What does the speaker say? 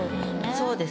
そうです。